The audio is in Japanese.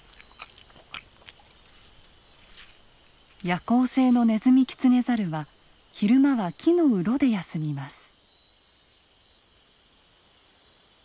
夜行性のネズミキツネザルは昼間は木のうろで休みます。